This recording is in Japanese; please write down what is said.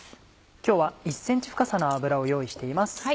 今日は１ｃｍ深さの油を用意しています。